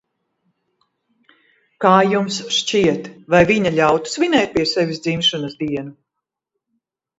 Kā jums šķiet, vai viņa ļautu svinēt pie sevis dzimšanas dienu?